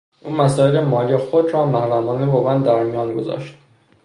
او مسایل مالی خود را محرمانه با من در میان گذاشت.